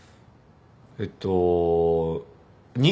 えっと２。